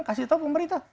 kasih tau pemerintah